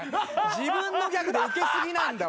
自分のギャグでウケすぎなんだよ。